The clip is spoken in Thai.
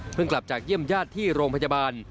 กลับจากเยี่ยมญาติที่โรงพยาบาล